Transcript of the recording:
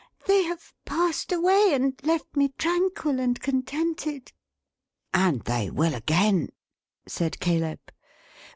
They have passed away, and left me tranquil and contented." "And they will again," said Caleb.